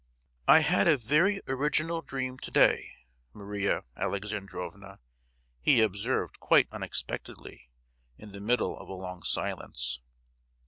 "I had a very original dream to day, Maria Alexandrovna," he observed quite unexpectedly, in the middle of a long silence.